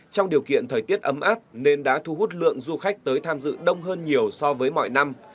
trong điều kiện thời tiết ấm áp nên đã thu hút lượng du khách tới tham dự đông hơn nhiều so với mọi năm